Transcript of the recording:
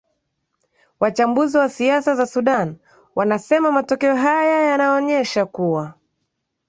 wachambuzi wa siasa za sudan wanasema matokeo haya yanaonyesha kuwa